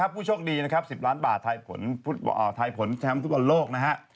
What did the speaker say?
ผู้โชคดี๑๐ล้านบาททายผลทั้งหมดทุกบันโลกนะฮะ